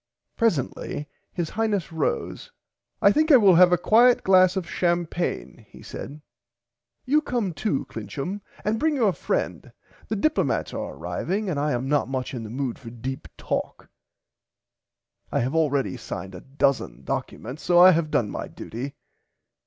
Presently his Highness rose I think I will have a quiet glass of champaigne he said you come too Clincham and bring your friend the Diplomats are arriving and I am not much in the mood for deep talk I have already signed a dozen documents so I have done my duty.